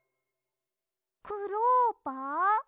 クローバー？